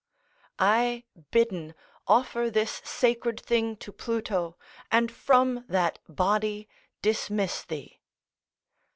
["I bidden offer this sacred thing to Pluto, and from that body dismiss thee."